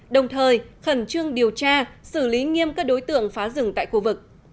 đồng thời khẩn trương điều tra xử lý nghiêm các đối tượng phá rừng tại khu vực